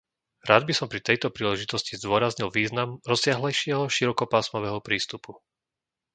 Rád by som pri tejto príležitosti zdôraznil význam rozsiahlejšieho širokopásmového prístupu.